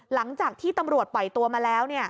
หลังจากที่ตำรวจปล่อยตัวมาแล้ว